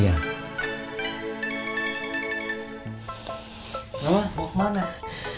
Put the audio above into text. dan jari jari dulu apa nih